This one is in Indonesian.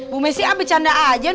bu messi a bercanda aja